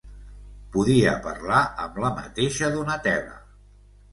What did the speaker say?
Podia parlar amb la mateixa Donatella.